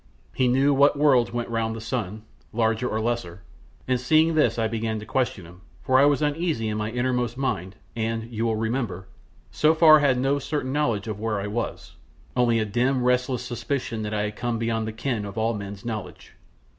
He knew what worlds went round the sun, larger or lesser, and seeing this I began to question him, for I was uneasy in my innermost mind and, you will remember, so far had no certain knowledge of where I was, only a dim, restless suspicion that I had come beyond the ken of all men's knowledge.